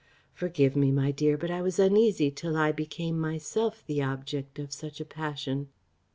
Forgive me, my dear; but I was uneasy till I became myself the object of such a passion."